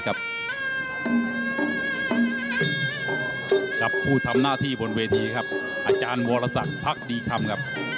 กลับพูดทำหน้าที่บนเวทีครับอาจารย์มวลศัตริย์พรรคดีคำครับ